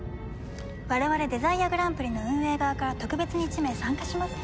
我々デザイアグランプリの運営側から特別に１名参加します。